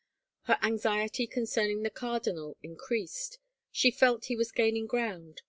Her anxiety concerning the cardinal increased. She felt he was gaining ground.